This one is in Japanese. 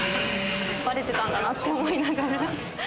バレでたんだなって思いながら。